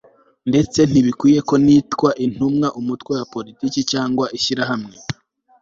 ndetse ntibinkwiriye ko nitwa intumwa Umutwe wa politiki cyangwa ishyirahamwe